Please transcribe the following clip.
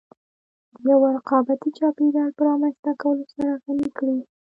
د يوه رقابتي چاپېريال په رامنځته کولو سره غني کړې.